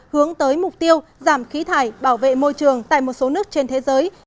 hướng tới mục tiêu giảm khí thải bảo vệ môi trường tại một số nước trên thế giới